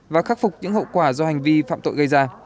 và khắc phục những hậu quả do hành vi phạm tội gây ra